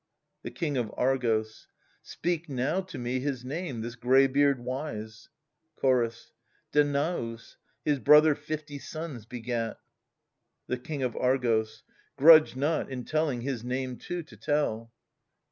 The King of Argos. Speak now to me his name, this greybeard wise. Chorus. Danaus ; his brother fifty sons begat. The King of Argos. Grudge not, in telhng, his name too to tell.